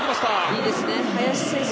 いいですね、林選手